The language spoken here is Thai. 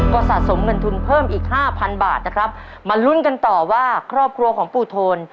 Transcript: ก็สะสมเงินทุนเพิ่มอีกห้าพันบาทนะครับมาลุ้นกันต่อว่าครอบครัวของปู่โทน